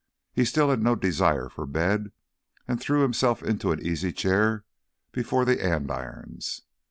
He still had no desire for bed, and threw himself into an easy chair before the andirons.